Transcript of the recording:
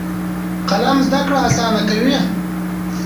قلم زده کړه اسانه کوي.